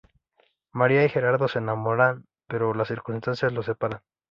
María y Gerardo se enamoran pero las circunstancias los separan.